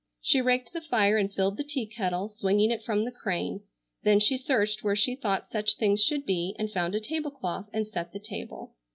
She raked the fire and filled the tea kettle, swinging it from the crane. Then she searched where she thought such things should be and found a table cloth and set the table.